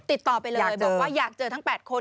ติดต่อไปเลยบอกว่าอยากเจอทั้ง๘คน